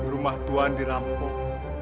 rumah tuan dirampok